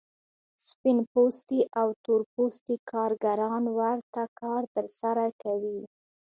سپین پوستي او تور پوستي کارګران ورته کار ترسره کوي